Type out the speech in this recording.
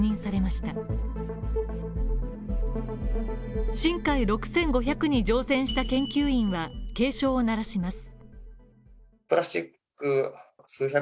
「しんかい６５００」に乗船した研究員は警鐘を鳴らします。